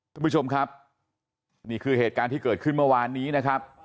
ท่านผู้ชมครับนี่คือเหตุการณ์ที่เกิดขึ้นเมื่อวานนี้นะครับ